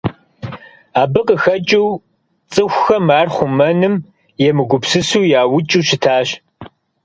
Абы къыхэкӀыу цӀыхухэм ар хъумэным емыгупсысу яукӀыу щытащ.